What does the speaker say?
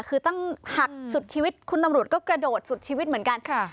คือตั้งหักสุดชีวิตคุณตำรวจก็กระโดดสุดชีวิตเหมือนกัน